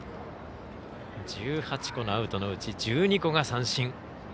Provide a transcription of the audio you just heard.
１８個のアウトのうち１２個が三振。